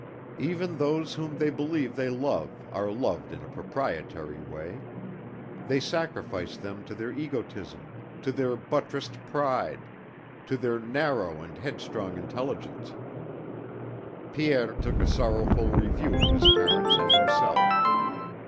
Even those whom they believe they love are loved in a proprietary way; they sacrifice them to their egotism, to their buttressed pride, to their narrow and headstrong intelligence. Pierre took a sorrowful review of his parents and himself.